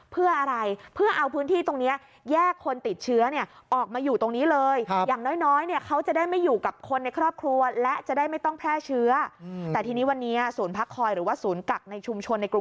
เพื่ออะไรเพื่อเอาพื้นที่ตรงนี้